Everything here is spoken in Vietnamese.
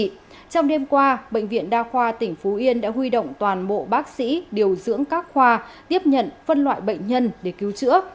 trong đêm qua bệnh viện đa khoa tỉnh phú yên đã huy động toàn bộ bác sĩ điều dưỡng các khoa tiếp nhận phân loại bệnh nhân để cứu chữa